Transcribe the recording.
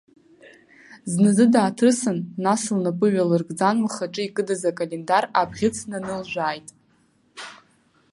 Зназы дааҭрысын, нас лнапы ҩалыргӡан лхаҿы икыдыз акалендар абӷьыц нанылжәааит.